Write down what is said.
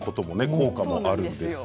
効果もあるんですね。